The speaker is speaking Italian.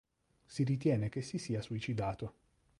Si ritiene che si sia suicidato.